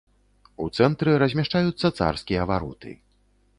У цэнтры размяшчаюцца царскія вароты.